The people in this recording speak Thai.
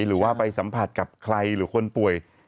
หรือว่าไปสัมผัสกับใครหรือคนป่วย